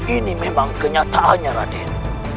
ini memang kenyataannya raden